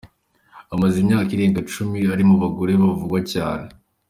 Amaze imyaka irenga icumi ari mu bagore bavugwa cyane.